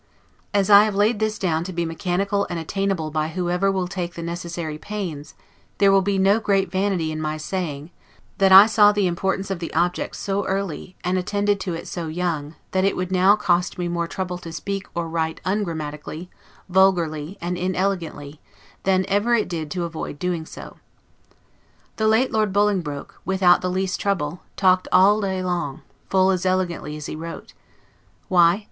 As I have laid this down to be mechanical and attainable by whoever will take the necessary pains, there will be no great vanity in my saying, that I saw the importance of the object so early, and attended to it so young, that it would now cost me more trouble to speak or write ungrammatically, vulgarly, and inelegantly, than ever it did to avoid doing so. The late Lord Bolingbroke, without the least trouble, talked all day long, full as elegantly as he wrote. Why?